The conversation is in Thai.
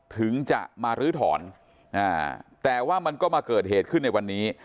ถึงจะมาลื้อถอนแต่ว่ามันก็มาเกิดเหตุขึ้นในวันนี้